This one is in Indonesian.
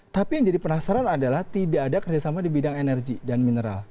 tapi yang jadi penasaran adalah tidak ada kerjasama di bidang energi dan mineral